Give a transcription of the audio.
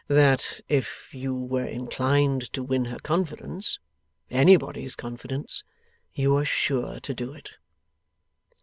'That if you were inclined to win her confidence anybody's confidence you were sure to do it.